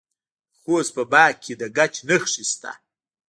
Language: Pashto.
د خوست په باک کې د ګچ نښې شته.